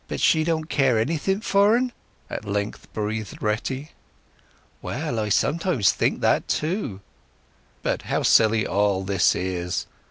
"But she don't care anything for 'n?" at length breathed Retty. "Well—I sometimes think that too." "But how silly all this is!"